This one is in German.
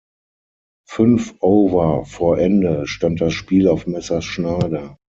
Fünf Over vor Ende stand das Spiel auf Messers Schneide.